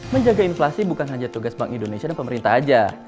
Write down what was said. menjaga inflasi bukan hanya tugas bank indonesia dan pemerintah saja